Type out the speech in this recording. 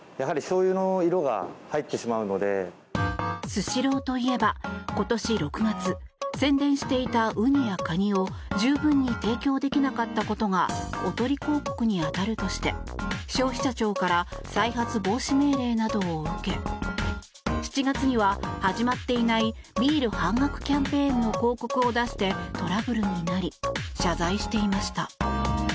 スシローといえば、今年６月宣伝していたウニやカニを十分に提供できなかったことがおとり広告に当たるとして消費者庁から再発防止命令などを受け７月には、始まっていないビール半額キャンペーンの広告を出してトラブルになり謝罪していました。